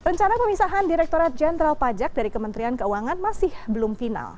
rencana pemisahan direkturat jenderal pajak dari kementerian keuangan masih belum final